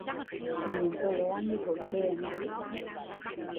Miệng tòa loa như thổi kèn